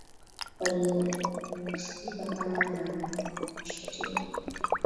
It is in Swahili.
waliohusika kama anavyoeleza mwanasheria